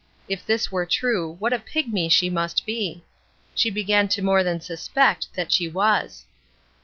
If this were true what a pigmy she must be! She began to more than suspect that she was.